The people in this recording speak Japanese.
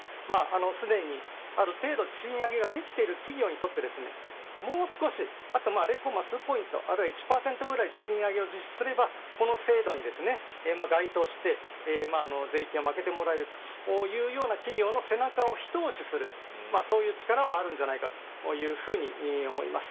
すでに、ある程度賃上げができている企業にとってもう少しあと０コンマ数ポイントあるいは１％ぐらい賃上げを実施すればこの制度に該当して税金をまけてもらえるというような企業の背中を一押しするそういう力はあるんじゃないかと思います。